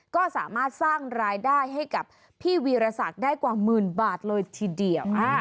ก็สามารถสร้างรายได้ให้กับพี่วีรศักดิ์ได้กว่าหมื่นบาทเลยทีเดียว